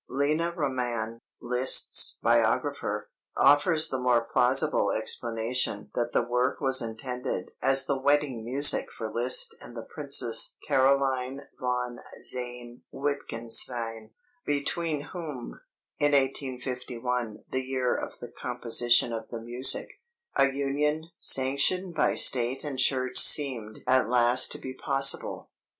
Lina Ramann, Liszt's biographer, offers the more plausible explanation that the work was intended as the wedding music for Liszt and the Princess Carolyn von Sayn Wittgenstein, between whom, in 1851 (the year of the composition of the music), a union sanctioned by state and church seemed at last to be possible.